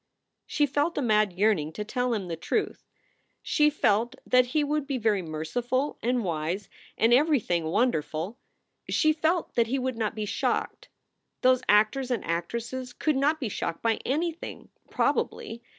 She felt a mad yearning to tell him the truth. She felt that he would be very merciful and wise and everything SOULS FOR SALE 153 wonderful. She felt that he would not be shocked. Those actors and actresses could not be shocked by anything, probably.